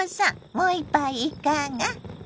もう一杯いかが？